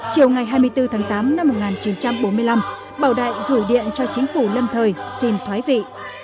chiều ngày hai mươi bốn tháng tám năm một nghìn chín trăm bốn mươi năm bảo đại gửi điện cho chính phủ lâm thời xin thoái vị